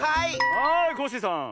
はいコッシーさん。